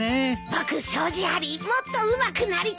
僕障子張りもっとうまくなりたい！